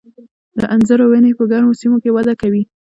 د انځرو ونې په ګرمو سیمو کې وده کوي.